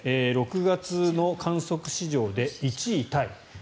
６月の観測史上で１位タイ。